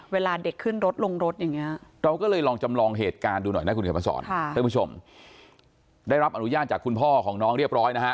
เวลาเด็กขึ้นรถลงรถอย่างงี้